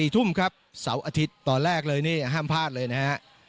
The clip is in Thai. ๔ทุ่มครับเสาร์อาทิตย์ตอนแรกเลยนี่ห้ามพลาดเลยนะฮะ